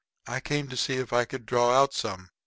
I came to see if I could draw out some.